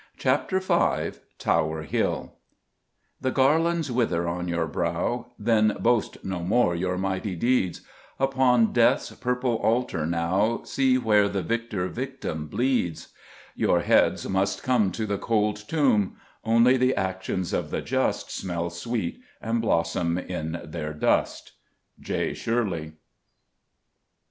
CHAPTER V TOWER HILL The garlands wither on your brow; Then boast no more your mighty deeds; Upon Death's purple altar now See where the victor victim bleeds: Your heads must come To the cold tomb; Only the actions of the just Smell sweet, and blossom in their dust. J. SHIRLEY.